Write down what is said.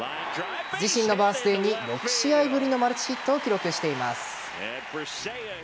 自身のバースデーに６試合ぶりのマルチヒットを記録しています。